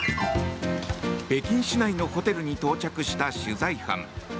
北京市内のホテルに到着した取材班。